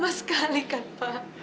bukan sama sekali kan ma